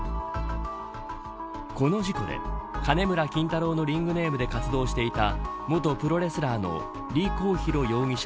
この事故で、金村キンタローのリングネームで活動していた元プロレスラーの李コウ晧容疑者